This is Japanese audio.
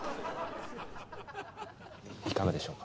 いかがでしょうか？